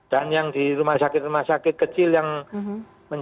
dan yang di rumah sakit rumah sakit kecil yang menyebabkan